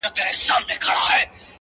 تسلیم کړي یې خانان او جنرالان وه!.